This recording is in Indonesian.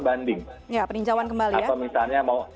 banding ya peninjauan kembali ya